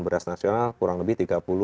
beras nasional kurang lebih tiga puluh